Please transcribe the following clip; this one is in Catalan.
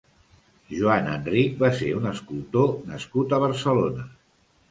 Joan Enrich va ser un escultor nascut a Barcelona.